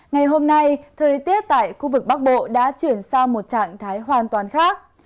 ngày hôm nay thời tiết tại khu vực bắc bộ đã chuyển sang một trạng thái hoàn toàn khác